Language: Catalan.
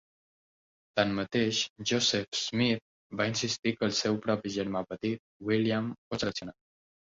Tanmateix, Joseph Smith va insistir que el seu propi germà petit, William, fos seleccionat.